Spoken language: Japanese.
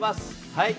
はい！